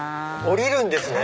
降りるんですね！